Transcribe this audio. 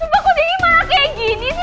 sumpah kok daddy malah kayak gini sih